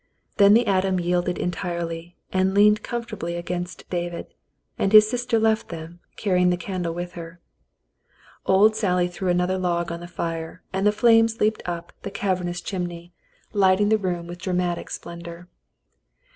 Then the atom yielded entirely, and leaned com fortably against David, and his sister left them, carrying the candle with her. Old Sally threw another log on the fire, and the flames leaped up the cavernous chimney, lighting the room with 18 The Mountain Girl dramatic splendor.